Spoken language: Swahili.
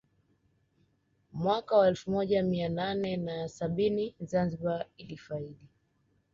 Mwaka wa elfu moja mia nane na sabini Zanzibar ilifaidi